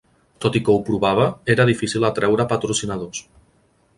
Tot i que ho provava, era difícil atreure patrocinadors.